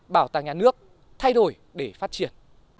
bảo tàng nhà nước thay đổi để phát triển